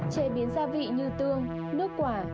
chế biến gia vị như tương nước quả